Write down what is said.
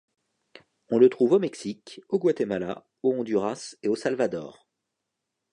On le trouve au Mexique, au Guatemala, au Honduras et au Salvador.